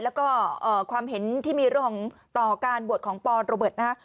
แล้วก็ความเห็นที่มีเรื่องของต่อการบวชของปโรเบิร์ตนะฮะ